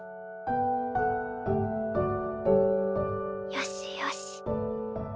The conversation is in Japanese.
よしよし。